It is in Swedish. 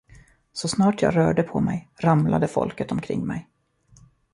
Så snart jag rörde på mig, ramlade folket omkring mig.